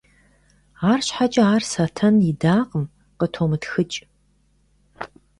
Арщхьэкӏэ ар Сатэн идакъым: - Къытомытхыкӏ.